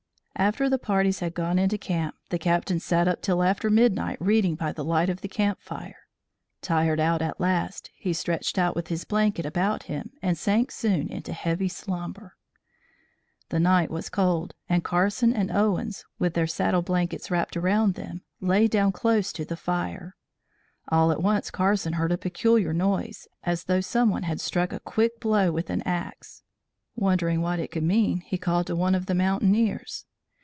After the parties had gone into camp, the Captain sat up till after midnight reading by the light of the camp fire. Tired out at last, he stretched out with his blanket about him and sank soon into heavy slumber. The night was cold, and Carson and Owens, with their saddle blankets wrapped around them, lay down close to the fire. All at once Carson heard a peculiar noise, as though some one had struck a quick blow with an axe. Wondering what it could mean, he called to one of the mountaineers.